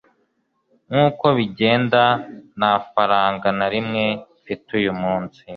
nkuko bigenda, nta faranga na rimwe mfite uyu munsi